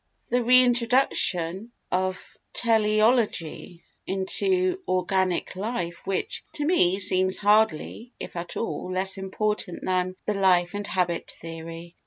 The re introduction of teleology into organic life which, to me, seems hardly (if at all) less important than the Life and Habit theory.